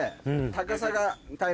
高さが。